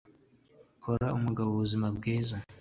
kora umugabo ubuzima bwiza,